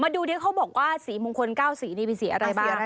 ดูที่เขาบอกว่าสีมงคล๙สีนี่มีสีอะไรบ้าง